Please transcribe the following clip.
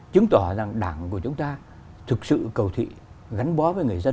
chứng tỏ rằng đảng của chúng ta thực sự cầu thị gắn bó với người dân